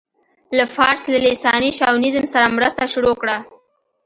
له فارس له لېساني شاونيزم سره مرسته شروع کړه.